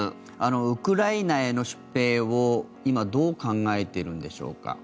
ウクライナへの出兵を今どう考えているんでしょうか。